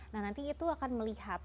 nah nanti itu akan melihat